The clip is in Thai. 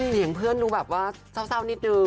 เสียงเพื่อนดูแบบว่าเศร้านิดนึง